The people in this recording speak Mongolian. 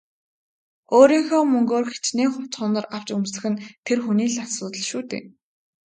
Өөрийнхөө мөнгөөр хэчнээн хувцас хунар авч өмсөх нь тэр хүний л асуудал шүү дээ.